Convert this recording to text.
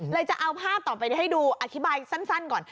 จะเอาภาพต่อไปให้ดูอธิบายสั้นก่อน